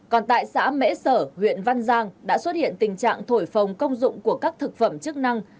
còn tại xã mễ sở huyện văn giang đã xuất hiện tình trạng thổi phồng công dụng của các thực phẩm chức năng